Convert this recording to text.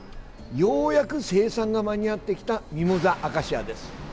ようやく生産が間に合ってきたミモザアカシアです。